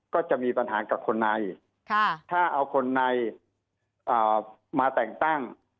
ก็จะมีปัญหากับคนในอีกถ้าเอาคนในมาแต่งตั้ง